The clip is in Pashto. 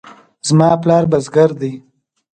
زما پلار بزګر دی